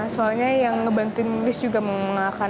soalnya yang ngebantuin inggris juga menganggarkan